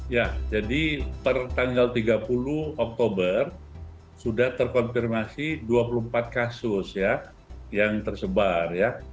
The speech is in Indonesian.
ya jadi per tanggal tiga puluh oktober sudah terkonfirmasi dua puluh empat kasus ya yang tersebar ya